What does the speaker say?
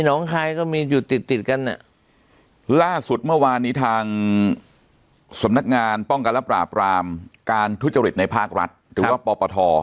น้องคายก็มีอยู่ติดติดกันอ่ะล่าสุดเมื่อวานนี้ทางสำนักงานป้องกันและปราบรามการทุจริตในภาครัฐหรือว่าปปท